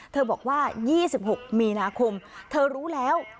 บอกว่า๒๖มีนาคมเธอรู้แล้ว